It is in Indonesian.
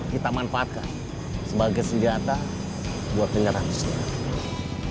kita manfaatkan sebagai senjata buat menyerah setiap